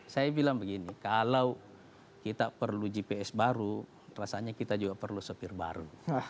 saya bilang begini kalau kita perlu gps baru rasanya kita juga perlu sopir baru